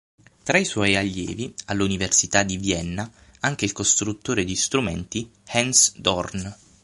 Tra i suoi allievi all'Università di Vienna anche il costruttore di strumenti Hans Dorn.